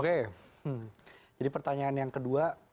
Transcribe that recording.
oke jadi pertanyaan yang kedua